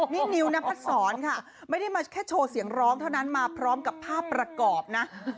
นี่นิวนพัดศรค่ะไม่ได้มาแค่โชว์เสียงร้องเท่านั้นมาพร้อมกับภาพประกอบนะ